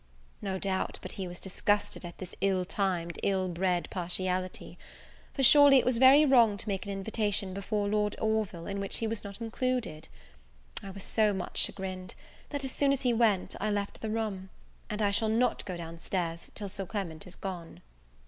No doubt but he was disgusted at this ill timed, ill bred partiality; for surely it was very wrong to make an invitation before Lord Orville in which he was not included! I was so much chagrined, that, as soon as he went, I left the room; and I shall not go down stairs till Sir Clement is gone.